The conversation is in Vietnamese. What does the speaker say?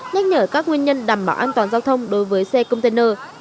nhắc nhở các nguyên nhân đảm bảo an toàn giao thông đối với xe container